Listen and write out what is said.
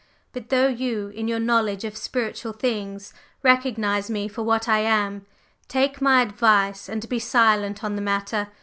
But though you, in your knowledge of spiritual things, recognize me for what I am, take my advice and be silent on the matter.